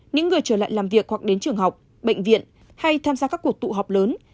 những người trở lại làm việc hoặc đến trường học bệnh viện hay tham gia các cuộc tụ họp lớn